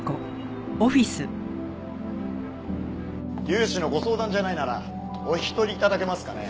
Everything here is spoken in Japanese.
融資のご相談じゃないならお引き取り頂けますかね。